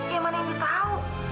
ya mana indi tahu